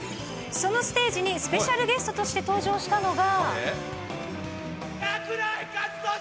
そのステージにスペシャルゲストとして登場したのが。